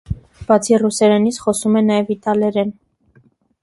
Բացի ռուսերենից, խոսում է նաև իտալերեն։